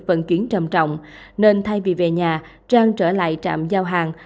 vận chuyển trầm trọng nên thay vì về nhà trang trở lại trạm giao hàng